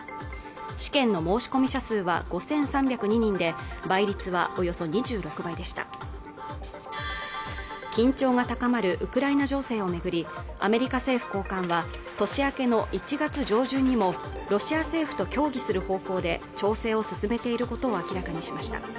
試験の申込者数は５３０２人で倍率はおよそ２６倍でした緊張が高まるウクライナ情勢を巡りアメリカ政府高官は年明けの１月上旬にもロシア政府と協議する方向で調整を進めていることを明らかにしました